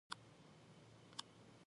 Jayasekara.